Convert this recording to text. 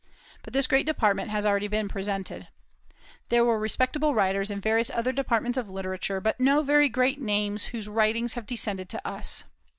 But this great department has already been presented. There were respectable writers in various other departments of literature, but no very great names whose writings have descended to us.